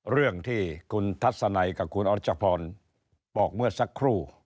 เรื่องที่คุณทัศนัยกับคุณอรัชพรบอกเมื่อสักครู่